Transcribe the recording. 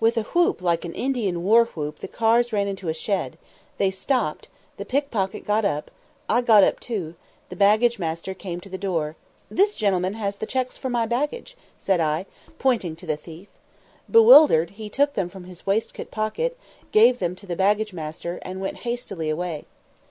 With a whoop like an Indian war whoop the cars ran into a shed they stopped the pickpocket got up I got up too the baggage master came to the door: "This gentleman has the checks for my baggage," said I, pointing to the thief. Bewildered, he took them from his waistcoat pocket, gave them to the baggage master, and went hastily away.